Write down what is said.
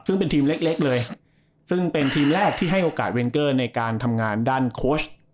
ซึ่งเป็นทีมเล็กเลยซึ่งเป็นทีมแรกที่ให้โอกาสเวนเกอร์ในการทำงานด้านโค้ช